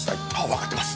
わかってます。